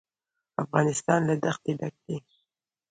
افغانستان له دښتې ډک دی.